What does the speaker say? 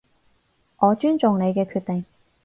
我尊重你嘅決定